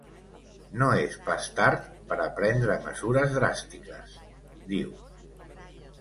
No és pas tard per a prendre mesures dràstiques, diu.